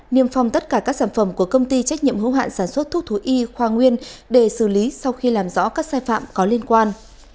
niêm phong tất cả các sản phẩm của công ty trách nhiệm hữu hạn sản xuất thuốc thú y khoa nguyên để xử lý sau khi làm rõ các sai phạm có liên quan